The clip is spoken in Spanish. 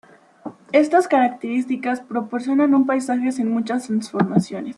Estas características propician un paisaje sin muchas transformaciones.